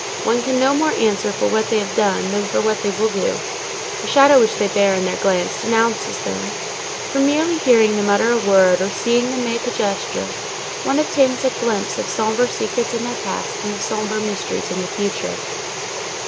One can no more answer for what they have done than for what they will do. The shadow which they bear in their glance denounces them. From merely hearing them utter a word or seeing them make a gesture, one obtains a glimpse of sombre secrets in their past and of sombre mysteries in their future.